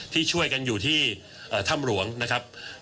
ที่ช่วยกันอยู่ที่ถ้ำหลวงนะครับ